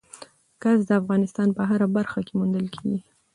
ګاز د افغانستان په هره برخه کې موندل کېږي.